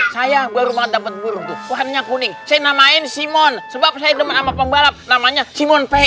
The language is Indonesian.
saya baru mata berdua warnanya kuning senamain simon sebabnya dengan pembawa namanya simon pi